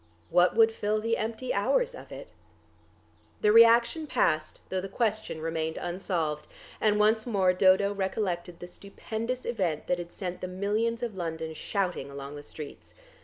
What would fill the empty hours of it?... The reaction passed, though the question remained unsolved, and once more Dodo recollected the stupendous event that had sent the millions of London shouting along the streets.